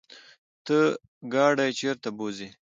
ته ګاډی چرته بوځې؟